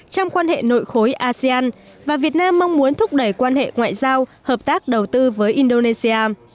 trong quan hệ nội khối asean và việt nam mong muốn thúc đẩy quan hệ ngoại giao hợp tác đầu tư với indonesia